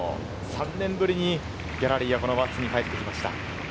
３年ぶりにギャラリーがこの輪厚に帰ってきました。